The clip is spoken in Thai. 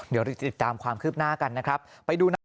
เดี๋ยวติดตามความคืบหน้ากันนะครับไปดูใน